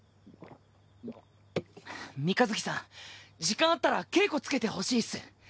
三日月さん時間あったら稽古つけてほしいっす。